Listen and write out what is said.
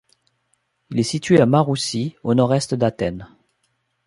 Il est situé à Maroussi, au nord-est d’Athènes.